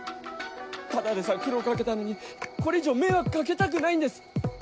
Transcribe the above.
ただでさえ苦労掛けたのにこれ以上迷惑掛けたくないんです